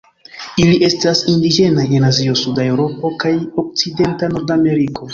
Ili estas indiĝenaj en Azio, suda Eŭropo kaj okcidenta Nordameriko.